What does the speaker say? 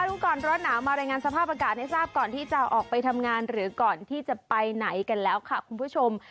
รู้ก่อนร้อนหนาวมารายงานสภาพอากาศให้ทราบก่อนที่จะออกไปทำงานหรือก่อนที่จะไปไหนกันแล้วค่ะคุณผู้ชม